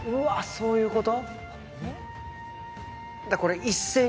そういうこと？